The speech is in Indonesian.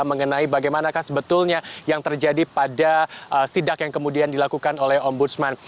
mengenai bagaimana sebetulnya yang terjadi pada sidak yang kemudian dilakukan oleh om budsman